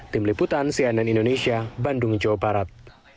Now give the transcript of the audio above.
tim liputan cnn indonesia bandung jawa barat